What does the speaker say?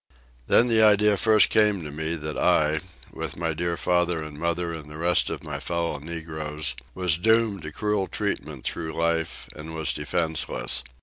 Then the idea first came to me that I, with my dear father and mother and the rest of my fellow negroes, was doomed to cruel treatment through life, and was defenceless.